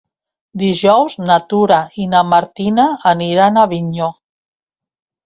Dijous na Tura i na Martina aniran a Avinyó.